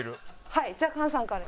はいじゃあ菅さんから。